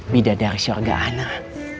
bidadar syurga anak